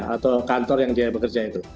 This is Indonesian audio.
atau kantor yang dia bekerja itu